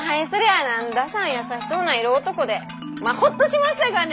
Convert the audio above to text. あ何だしゃん優しそうな色男でまっホッとしましたがね！